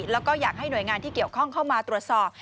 แล้วก็อยากให้หน่วยงานที่เกี่ยวข้องเข้ามาตรวจสอบ